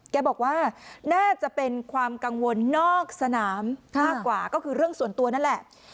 แกบอกว่าน่าจะเป็นความกังวลนอกสนามมากกว่าก็คือเรื่องส่วนตัวนั่นแหละ